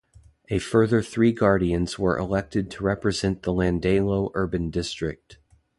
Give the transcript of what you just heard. A further three Guardians were elected to represent the Llandeilo Urban District.